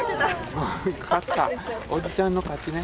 おじちゃんの勝ちね。